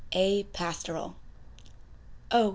A PASTORAL. Oh!